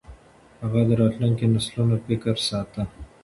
هغه د راتلونکو نسلونو فکر ساته.